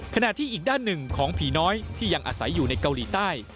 ขณะที่อีกด้านหนึ่งของผีน้อยที่ยังอาศัยอยู่ในเกาหลีใต้